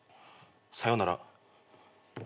さよなら。